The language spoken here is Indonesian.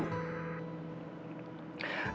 dengan berbakti pada seorang ibu